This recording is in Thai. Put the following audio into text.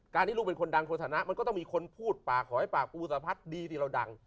การที่ลูกเป็นคนดังคนธนะมันก็ต้องมีคนพูดปากหอยปากอุปสรรพัฒน์ดีที่เราดัง